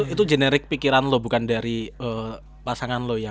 itu generik pikiran lo bukan dari pasangan lo yang